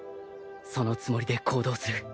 そのつもりで行動する。